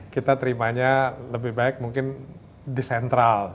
kita terimanya lebih baik mungkin di sentral